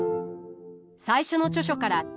最初の著書から１０年。